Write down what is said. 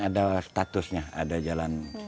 ada statusnya ada jalan